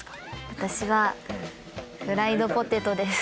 私はフライドポテトです。